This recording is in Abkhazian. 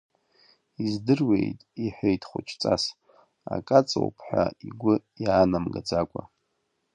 Издыруеит, — иҳәеит хәыҷҵас, акы аҵоуп ҳәа игәы иаанамгаӡакәа.